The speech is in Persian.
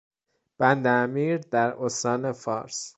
بند امیر در استان فارس